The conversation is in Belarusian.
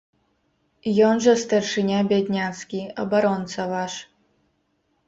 Ён жа старшыня бядняцкі, абаронца ваш.